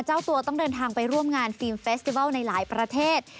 เจ้าตัวต้องเดินทางไปร่วมงานฟิล์มเฟสติวัลในหลายประเทศ